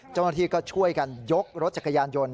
เจ้าหน้าที่ก็ช่วยกันยกรถจักรยานยนต์